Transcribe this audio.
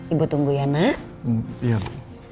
ibu tunggu ya nak